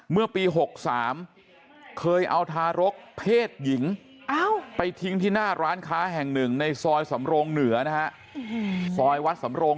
เมื่อปี๖๓เคยเอาทารกเพศหญิงไปทิ้งที่หน้าร้านค้าแห่งหนึ่งในซอยสำรงเหนือนะฮะซอยวัดสำรง